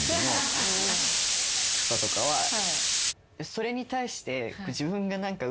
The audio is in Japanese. それに対して。